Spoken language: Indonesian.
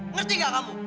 ngerti gak kamu